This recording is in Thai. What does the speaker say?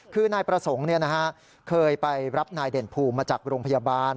คือนายประสงค์เคยไปรับนายเด่นภูมิมาจากโรงพยาบาล